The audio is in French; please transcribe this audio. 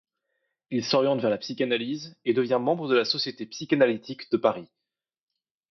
Il s'oriente vers la psychanalyse, et devient membre de la Société psychanalytique de Paris.